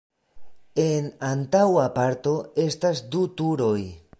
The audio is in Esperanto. En antaŭa parto estas du turoj.